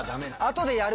後でやる！